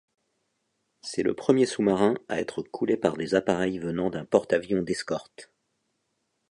C'est le premier sous-marin à être coulé par des appareils venant d'un porte-avions d'escorte.